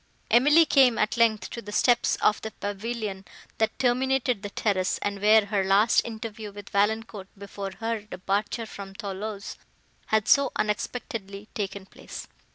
Emily came, at length, to the steps of the pavilion, that terminated the terrace, and where her last interview with Valancourt, before her departure from Thoulouse, had so unexpectedly taken place.